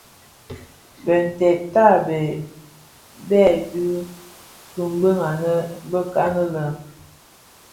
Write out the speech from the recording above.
Bintèd tabèè byèbi kimbi anë bekan lè.